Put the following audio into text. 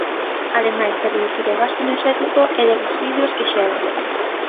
Ademais de reducir o gasto enerxético e de residuos que xeran.